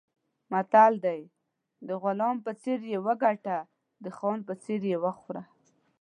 متل دی: د غلام په څېر یې وګټه، د خان په څېر یې وخوره.